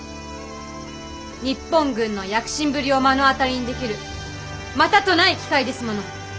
日本軍の躍進ぶりを目の当たりにできるまたとない機会ですもの。